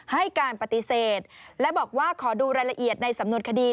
ให้การปฏิเสธและบอกว่าขอดูรายละเอียดในสำนวนคดี